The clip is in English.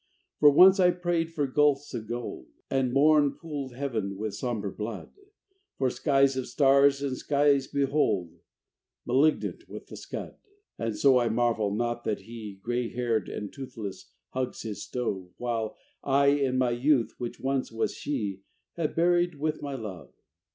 For, once I prayed for gulfs of gold, And morn pooled heav'n with sombre blood: For skies of stars, and skies behold Malignant with the scud. And so I marvel not that he, Gray haired and toothless, hugs his stove, While I my youth, which once was she, Have buried with my love.